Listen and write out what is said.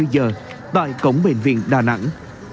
hai mươi giờ tại cổng bệnh viện đà nẵng